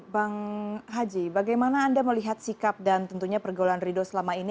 bang haji bagaimana anda melihat sikap dan tentunya pergolan ridho selama ini